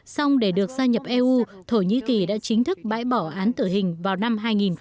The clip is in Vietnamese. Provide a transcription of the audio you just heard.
xong để được gia nhập eu thổ nhĩ kỳ đã chính thức bãi bỏ án tử hình vào năm hai nghìn một mươi